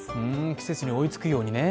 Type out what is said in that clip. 季節に追いつくようにね。